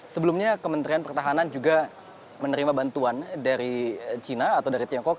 sebelumnya kementerian pertahanan juga menerima bantuan dari china atau dari tiongkok